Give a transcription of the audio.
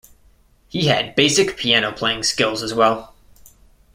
He had basic piano playing skills as well.